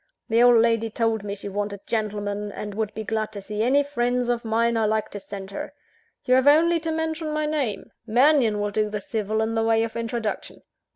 The old lady told me she wanted gentlemen; and would be glad to see any friends of mine I liked to send her. You have only to mention my name: Mannion will do the civil in the way of introduction.